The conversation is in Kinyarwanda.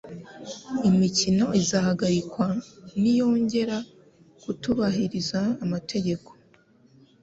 Imikino izahagarikwa niyongera kutubahiriza amategeko